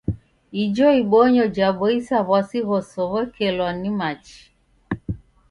Ijo ibonyo jaboisa w'asi ghosow'ekelwa nim machi.